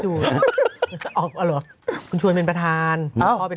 อ๋อหรือคุณชวนเป็นประธานพ่อเป็นล้อ